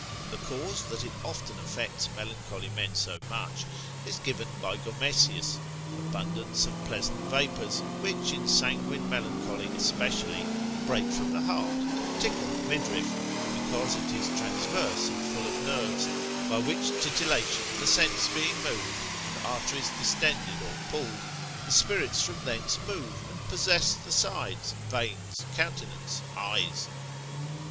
The cause that it often affects melancholy men so much, is given by Gomesius, lib. 3. de sale genial. cap. 18. abundance of pleasant vapours, which, in sanguine melancholy especially, break from the heart, and tickle the midriff, because it is transverse and full of nerves: by which titillation the sense being moved, and arteries distended, or pulled, the spirits from thence move and possess the sides, veins, countenance, eyes.